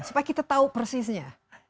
supaya kita tahu persisnya